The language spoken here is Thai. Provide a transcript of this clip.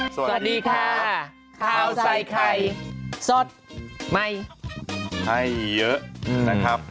สวัสดีค่ะข้าวใส่ไข่สดใหม่ให้เยอะนะครับ